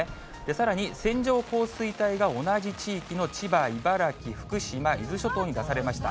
さらに線状降水帯が同じ地域の千葉、茨城、福島、伊豆諸島に出されました。